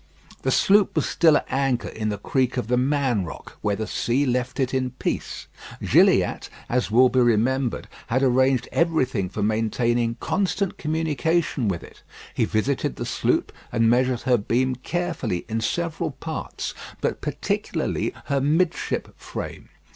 The sloop was still at anchor in the creek of "The Man Rock," where the sea left it in peace. Gilliatt, as will be remembered, had arranged everything for maintaining constant communication with it. He visited the sloop and measured her beam carefully in several parts, but particularly her midship frame.